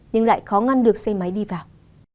nhưng lại khó ngăn được xe máy đi vào